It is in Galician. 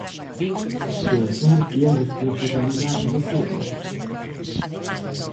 ¿Pensar que é responsabilidade de todos?